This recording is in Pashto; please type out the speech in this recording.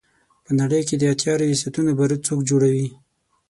په نړۍ کې د اتیا ریاستونو بارود څوک جوړوي.